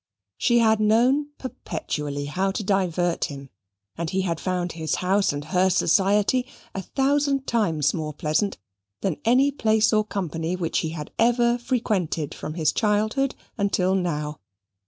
She had known perpetually how to divert him; and he had found his house and her society a thousand times more pleasant than any place or company which he had ever frequented from his childhood until now.